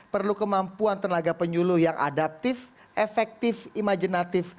perlu kemampuan tenaga penyuluh yang adaptif efektif imajinatif